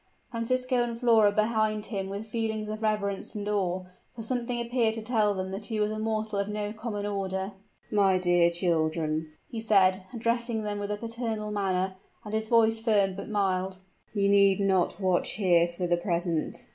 Francisco and Flora beheld him with feelings of reverence and awe, for something appeared to tell them that he was a mortal of no common order. "My dear children," he said, addressing them in a paternal manner, and his voice firm, but mild, "ye need not watch here for the present.